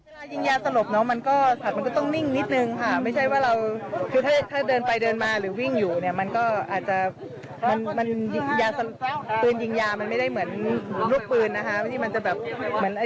เวลายิงยาสลบมันก็ต้องนิ่งนิดนึงค่ะถ้าเดินไปเดินมาหรือวิ่งอยู่มันก็อาจจะปืนยิงยามันไม่ได้เหมือนลูกปืนนะคะ